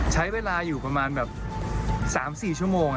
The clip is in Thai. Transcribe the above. ใช้เวลาอยู่ประมาณแบบ๓๔ชั่วโมง